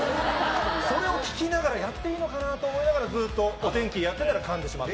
それを聞きながら、やっていいのかなと思いながら、ずっとお天気やってたからかんでしまったと。